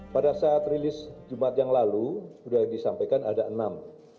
pada saat rilis jumat yang lalu sudah disampaikan ada enam